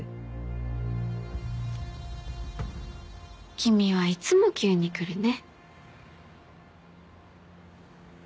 ・君はいつも急に来るね。